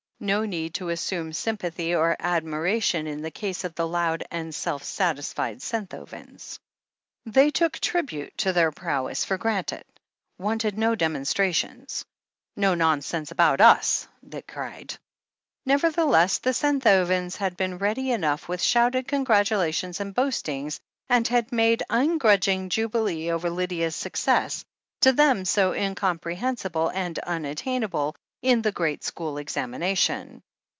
no need to assume sympathy or admiration in the case of the loud and self satisfied Senthovens. They took tribute to their prowess for granted — ^wanted no dem onstrations. "No nonsense about us!" cried they. Nevertheless, the Senthovens had been ready enough with shouted congratulations and boastings, and had made ungrudging jubilee over Lydia's success, to them so incomprehensible and unattainable, in the great school examination.